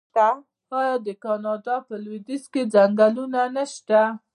آیا د کاناډا په لویدیځ کې ځنګلونه نشته؟